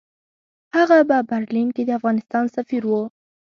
هغه په برلین کې د افغانستان سفیر وو.